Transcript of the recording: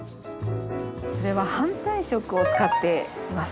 反対色を使っています。